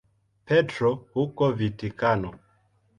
Petro huko Vatikano.